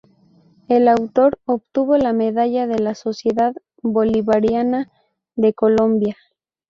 El autor obtuvo la medalla de la Sociedad Bolivariana de Colombia.